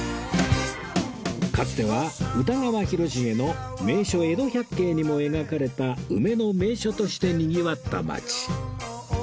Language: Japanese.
かつては歌川広重の『名所江戸百景』にも描かれた梅の名所としてにぎわった町